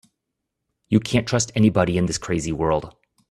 You can't trust anybody in this crazy world.